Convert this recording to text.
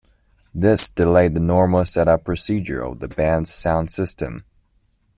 This delayed the normal setup procedure of the band's sound system.